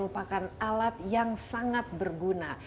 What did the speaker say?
padahal tidak hanya pengguna ponsel pintar